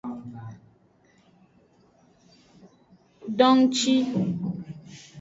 Dongci.